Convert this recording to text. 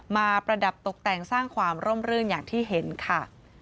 ประดับตกแต่งสร้างความร่มรื่นอย่างที่เห็นค่ะ